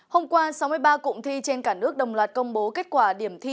hôm qua sáu mươi ba cụm thi trên cả nước đồng loạt công bố kết quả điểm thi